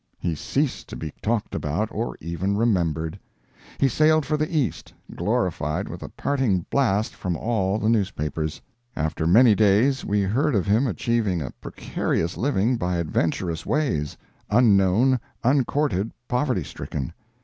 He ceased to be talked about or even remembered. He sailed for the East, glorified with a parting blast from all the newspapers. After many days we heard of him achieving a precarious living by adventurous ways—unknown, uncourted, poverty stricken.